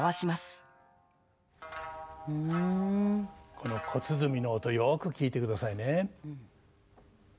この小鼓の音よく聴いてくださいね。